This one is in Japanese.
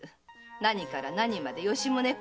何から何まで吉宗公の真似。